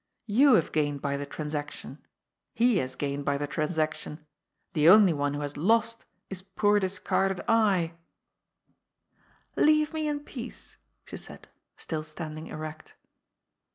You have gained by the transaction. He has gained by the transaction. The only one who has lost is poor dis carded I." " Leave me in peace," she said, still standing erect.